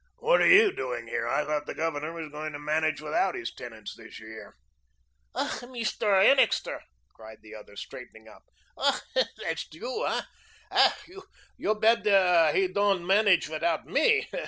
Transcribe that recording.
"What are YOU doing here? I thought the Governor was going to manage without his tenants this year." "Ach, Meest'r Ennixter," cried the other, straightening up. "Ach, dat's you, eh? Ach, you bedt he doand menege mitout me.